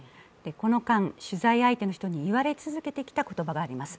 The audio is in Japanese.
この間取材相手の人に言われ続けてきた言葉があります。